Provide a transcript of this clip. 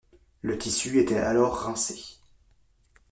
Le tissu était alors rincé.